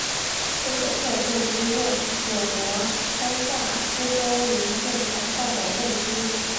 斯科特镇区为美国堪萨斯州林县辖下的镇区。